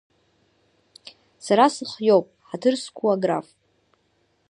Сара сыр хиоуп, ҳаҭыр зқәу аграф.